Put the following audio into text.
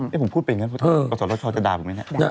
ให้ผมพูดปรีกนะอาทารกิจจะด่าผมไหมนะ